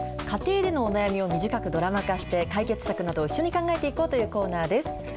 家庭でのお悩みを短くドラマ化して、解決策などを一緒に考えていこうというコーナーです。